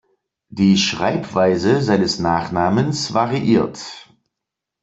Die Schreibweise seines Nachnamens variiert.